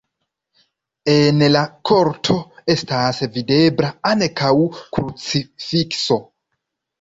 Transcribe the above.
En la korto estas videbla ankaŭ krucifikso.